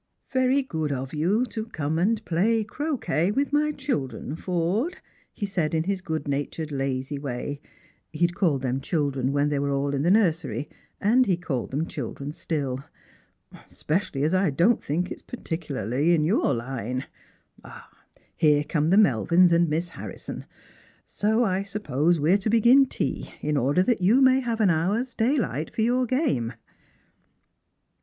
" Very good of you to come and play croquet with my hildren, Forde," he said in his good natured lazy way — he had lalled them children when they were all in the nursery, and he jailed them children still —" especially as I don't think it's par ticularly in your line. 0, here come the j).Ielvins and Mis Harrison ; so I suppose we are to begin tea, in order that you may have an hour's daylight for your game